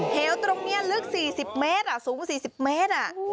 เหวตรงนี้ลึก๔๐เมตรสูง๔๐เมตร